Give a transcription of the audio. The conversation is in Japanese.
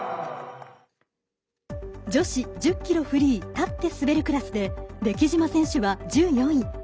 女子１０ｋｍフリー立って滑るクラスで出来島選手は１４位。